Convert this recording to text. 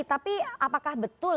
tapi apakah betul